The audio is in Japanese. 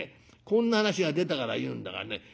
こんな話が出たから言うんだがね